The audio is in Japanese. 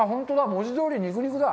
文字どおり肉肉だ。